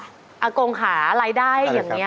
อากงค่ะรายได้อย่างนี้